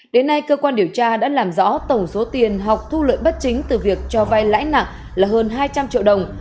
đến nay cơ quan điều tra đã làm rõ tổng số tiền học thu lợi bất chính từ việc cho vai lãi nặng là hơn hai trăm linh triệu đồng